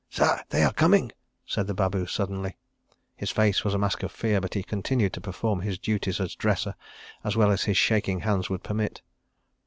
... "Sah—they are coming!" said the babu suddenly. His face was a mask of fear, but he continued to perform his duties as dresser, as well as his shaking hands would permit.